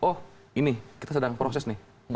oh ini kita sedang proses nih